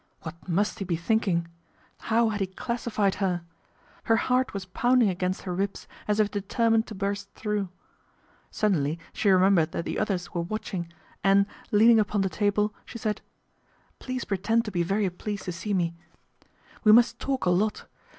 What must he be think ing ? How had he classified her ? Her heart was pounding against her ribs as if determined to burst through. Suddenly she remembered that the others were watching and, leaning upon the table, she said :" Please pretend to be very pleased to see me. 34 PATRICIA BRENT, SPINSTER We must talk a lot.